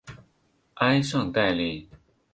埃尚代利。